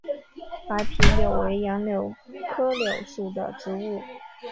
白皮柳为杨柳科柳属的植物。